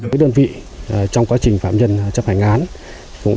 với đơn vị trong quá trình phạm nhân chấp hành án